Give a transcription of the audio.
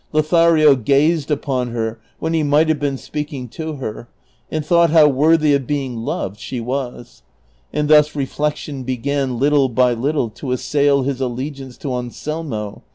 Lothario ga7;ed ui^on her when he might have been speaking to her, and thought how worthy of being loved she was; and thus reflection l)egan little by little to assail his allegiance to Anselmo.